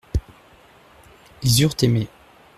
Ils eurent aimé.